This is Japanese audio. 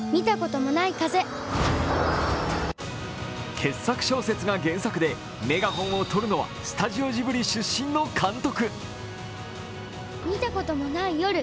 傑作小説が原作でメガホンをとるのはスタジオジブリ出身の監督。